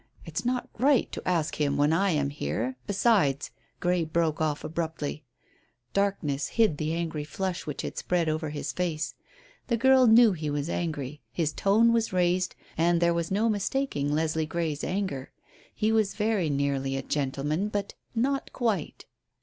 It's not right to ask him when I am here, besides " Grey broke off abruptly. Darkness hid the angry flush which had spread over his face. The girl knew he was angry. His tone was raised, and there was no mistaking Leslie Grey's anger. He was very nearly a gentleman, but not quite.